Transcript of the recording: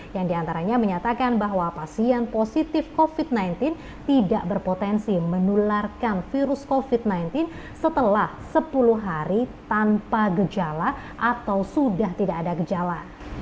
yang diantaranya menyatakan bahwa pasien positif covid sembilan belas tidak berpotensi menularkan virus covid sembilan belas setelah sepuluh hari tanpa gejala atau sudah tidak ada gejala